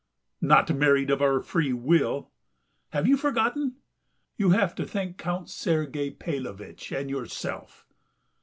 "Not married of our free will.... Have you forgotten? You have to thank Count Sergey Paylovitch and yourself.